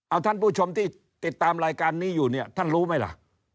เอาท่านผู้ชมที่ติดตามรายการนี้อยู่เนี่ยท่านรู้ไหมล่ะ